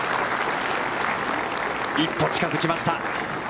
一歩近づきました。